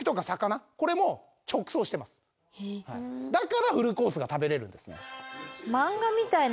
だからフルコースが食べれるんですね。